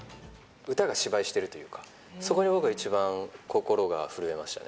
歌が芝居しているというか、そこに僕は一番心が震えましたね。